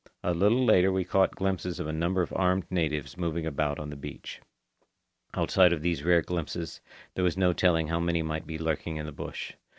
A little later we caught glimpses of a number of armed natives moving about on the beach. Outside of these rare glimpses, there was no telling how many might be lurking in the bush.